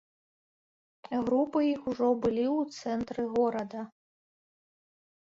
Групы іх ужо былі ў цэнтры горада.